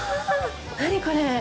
何これ。